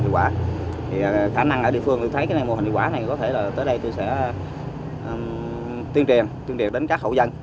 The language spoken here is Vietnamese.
thì khả năng ở địa phương mình thấy cái mô hình hiệu quả này có thể là tới đây tôi sẽ tuyên truyền tuyên truyền đến các hậu dân